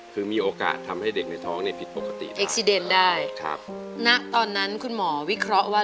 คือมีโอกาสทำให้เด็กในท้องเนี่ยผิดปกติเอ็กซีเดนได้ครับณตอนนั้นคุณหมอวิเคราะห์ว่า